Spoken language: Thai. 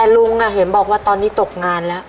ลุงเห็นบอกว่าตอนนี้ตกงานแล้ว